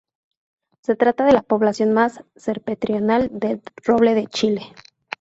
Se trata de la población más septentrional de roble de Chile.